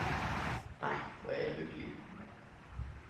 Nej, hvor jeg er lykkelig!